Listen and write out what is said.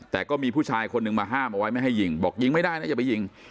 แต่ก็มีผู้ชายคนหนึ่งมาห้ามเอาไว้ไม่ให้ยิงบอกยิงไม่ได้นะอย่าไปยิง